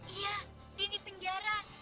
iya dia di penjara